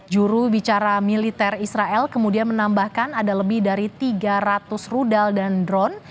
juru bicara militer israel kemudian menambahkan ada lebih dari tiga ratus rudal dan drone